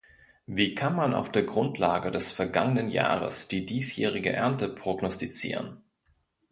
Wie kann man auf der Grundlage des vergangenen Jahres die diesjährige Ernte prognostizieren?